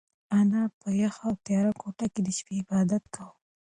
انا په یخه او تیاره کوټه کې د شپې عبادت کاوه.